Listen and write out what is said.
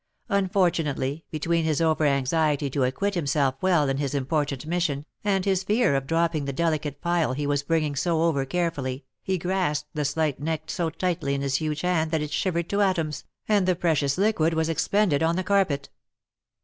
Unfortunately, between his overanxiety to acquit himself well in his important mission, and his fear of dropping the delicate phial he was bringing so overcarefully, he grasped the slight neck so tightly in his huge hand that it shivered to atoms, and the precious liquid was expended on the carpet.